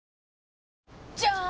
じゃーん！